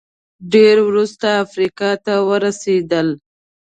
ډېر وروسته افریقا ته ورسېدل